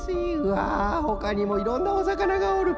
わあほかにもいろんなおさかながおる。